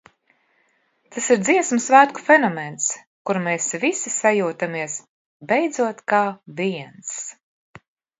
Tas ir Dziesmu svētku fenomens, kur mēs visi sajūtamies beidzot kā viens.